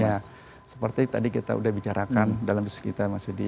ya seperti tadi kita udah bicarakan dalam diskusi kita mas yudi